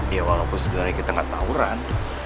ya walaupun sejualannya kita gak tawuran